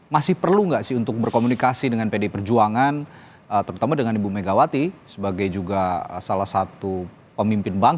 masih perlu nggak sih untuk berkomunikasi dengan pdi perjuangan terutama dengan ibu megawati sebagai juga salah satu pemimpin bangsa